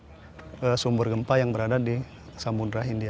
nah untuk kerawanan tsunami itu berada di sumber gempa yang berada di samudera hindia